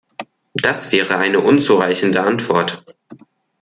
Das wäre eine unzureichende Antwort.